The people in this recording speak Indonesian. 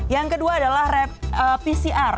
yang kedua adalah pcr